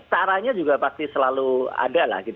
caranya juga pasti selalu ada lah